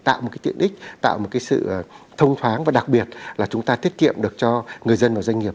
tạo một cái tiện ích tạo một cái sự thông thoáng và đặc biệt là chúng ta tiết kiệm được cho người dân và doanh nghiệp